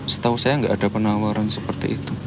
setahu saya tidak ada penawaran seperti itu